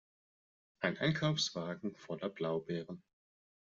Ein Einkaufswagen voller Blaubeeren.